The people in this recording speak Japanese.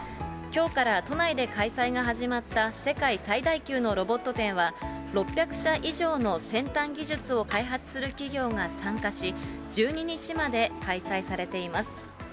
きょうから都内で開催が始まった世界最大級のロボット展は、６００社以上の先端技術を開発する企業が参加し、１２日まで開催